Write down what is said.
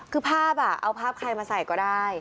คือภาพเอาภาพใครมาใส่ก็ได้